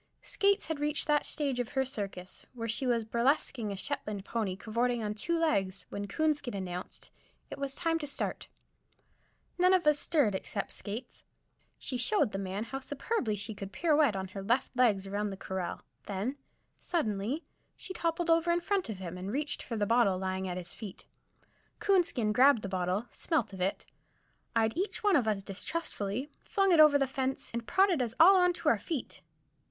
Skates had reached that stage of her circus where she was burlesquing a Shetland pony cavorting on two legs, when Coonskin announced it was time to start. None of us stirred, except Skates. She showed the man how superbly she could pirouette on her left legs around the corral; then, suddenly, she toppled over in front of him, and reached for the bottle lying at his feet. Coonskin grabbed the bottle, smelt of it, eyed each one of us distrustfully, flung it over the fence, and prodded us all on to our feet.